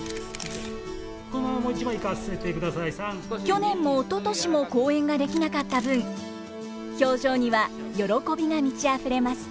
去年もおととしも公演ができなかった分表情には喜びが満ちあふれます。